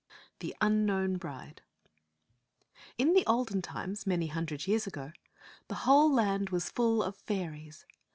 THE UNKNOWN BRIDE IN the olden times, many hundred years ago, the whole land was full of fairies.